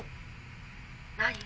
「何？」。